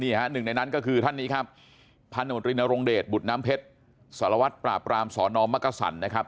นี่ฮะหนึ่งในนั้นก็คือท่านนี้ครับท่านตำรวจรินโรงเดชบุตรน้ำเพชรสารวัตรปราปรามสอนอมมกษันนะครับ